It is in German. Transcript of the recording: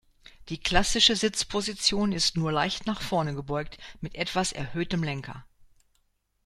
Die klassische Sitzposition ist nur leicht nach vorne gebeugt mit etwas erhöhtem Lenker.